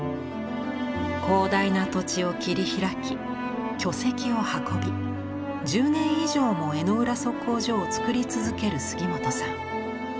広大な土地を切り開き巨石を運び１０年以上も江之浦測候所を作り続ける杉本さん。